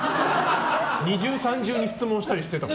二重三重に質問したりしてたもん。